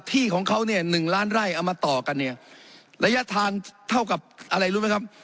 ที่ของเขาเนี่ยหนึ่งล้านไร่เอามาต่อกันเนี่ยระยะทางเท่ากับอะไรรู้ไหมครับ